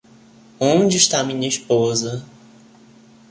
Onde está minha esposa?